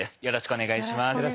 よろしくお願いします。